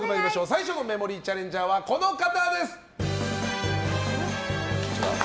最初のメモリーチャレンジャーはこの方です！